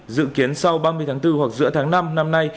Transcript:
dự kiến sau ba mươi tháng bốn hoặc giữa tháng năm năm nay